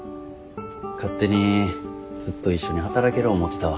勝手にずっと一緒に働ける思てたわ。